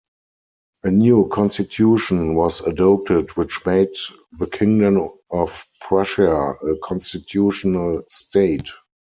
A new constitution was adopted which made the kingdom of Prussia a constitutional state.